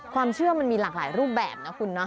ความเชื่อมันมีหลากหลายรูปแบบนะคุณเนาะ